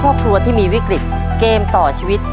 ครอบครัวที่มีวิกฤตเกมต่อชีวิต